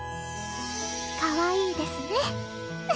かわいいですね！